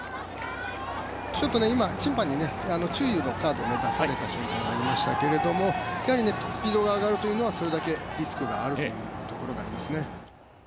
今、審判に注意のカードを出された瞬間がありましたけどやはりスピードが上がるということはそれだけリスクがあるというところになりますね。